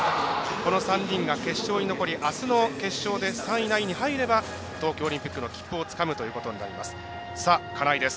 この３人が決勝に残りあすの決勝で３位以内に入れば東京オリンピックの切符をつかむということです。